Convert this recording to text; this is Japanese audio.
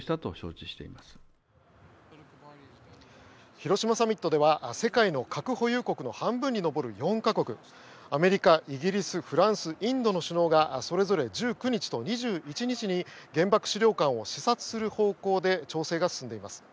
広島サミットでは世界の核保有国の半分に上る４か国アメリカ、イギリス、フランスインドの首脳がそれぞれ１９日と２１日に原爆資料館を視察する方向で調整が進んでいます。